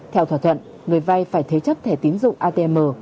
theo thỏa thuận người vay phải thế chấp thẻ tín dụng atm